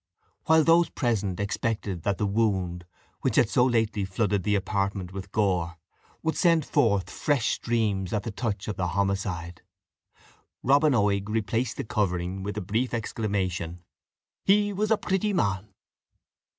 While those present expected that the wound, which had so lately flooded the apartment with gore, would send forth fresh streams at the touch of the homicide, Robin Oig replaced the covering with the brief exclamation, "He was a pretty man!"